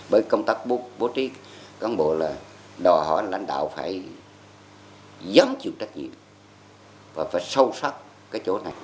bởi công tác bố trí cán bộ là đòi hỏi lãnh đạo phải dám chịu trách nhiệm và phải sâu sắc cái chỗ này